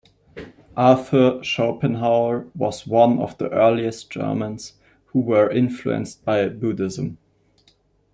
Arthur Schopenhauer was one of the earliest Germans who were influenced by Buddhism.